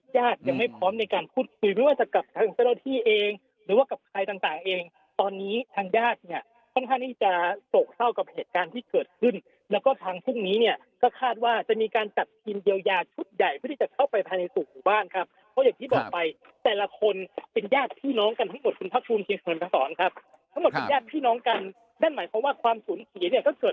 ญาติยังไม่พร้อมในการพูดคุยเ